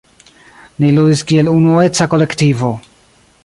Ni ludis kiel unueca kolektivo.